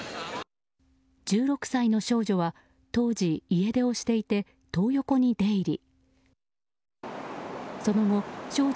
１６歳の少女は当時、家出をしていてトー横に出入り。